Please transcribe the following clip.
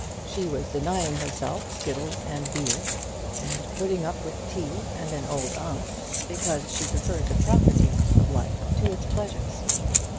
She was denying herself skittles and beer, and putting up with tea and an old aunt, because she preferred the proprieties of life to its pleasures.